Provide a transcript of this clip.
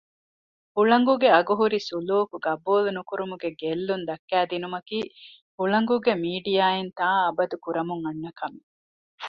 ހުޅަނގުގެ އަގުހުރި ސުލޫކު ގަބޫލު ނުކުރުމުގެ ގެއްލުން ދައްކައިދިނުމަކީ ހުޅަނގުގެ މީޑިއާއިން ތާއަބަދު ކުރަމުން އަންނަ ކަމެއް